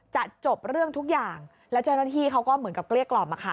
จบเรื่องทุกอย่างแล้วเจ้าหน้าที่เขาก็เหมือนกับเกลี้ยกล่อม